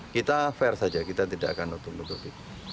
kita fair saja kita tidak akan notuk notuk